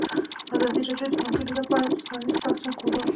ازادي راډیو د بانکي نظام په اړه د پرانیستو بحثونو کوربه وه.